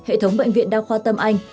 hệ thống bệnh viện đa khoa tâm anh